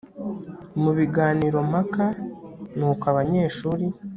mu biganirompaka ni uko abanyeshuri